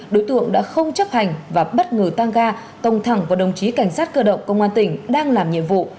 đối tượng đã không chấp hành và bất ngờ tăng ga tông thẳng vào đồng chí cảnh sát cơ động công an tỉnh đang làm nhiệm vụ